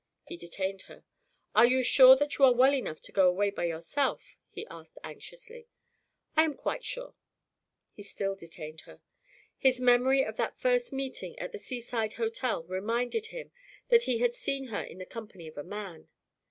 He detained her. "Are you sure that you are well enough to go away by yourself?" he asked anxiously. "I am quite sure!" He still detained her. His memory of that first meeting at the seaside hotel reminded him that he had seen her in the company of a man.